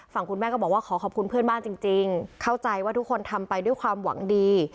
คุณแม่ก็บอกว่าขอขอบคุณเพื่อนบ้านจริงเข้าใจว่าทุกคนทำไปด้วยความหวังดี